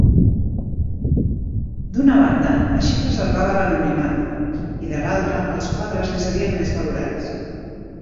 D'una banda, així preservava l'anonimat i, de l'altra, els quadres li serien més valorats.